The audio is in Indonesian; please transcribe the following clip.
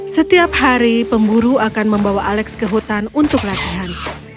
setiap hari pemburu akan membawa alex ke hutan untuk latihan